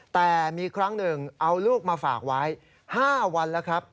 แต่มีครั้งหนึ่งเอาลูกมาฝากไว้๕วันแล้วครับ